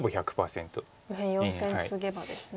右辺４線ツゲばですね。